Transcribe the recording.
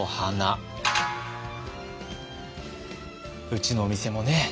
うちのお店もね